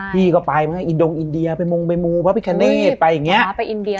พี่ก็ไปไงอินโดงอินเดียไปมงไปมูลพระพิกาเนสไปอย่างเงี้ย